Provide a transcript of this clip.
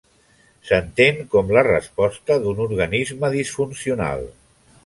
S'entén com la resposta d'un organisme disfuncional.